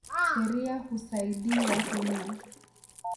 Sheria husaidi watu mno.